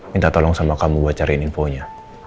minta tolong sama kamu buat cariin infonya